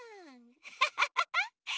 ハハハハ！